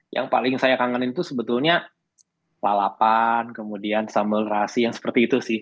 yang paling saya kangenin itu sebetulnya lalapan kemudian sambal rasi yang seperti itu sih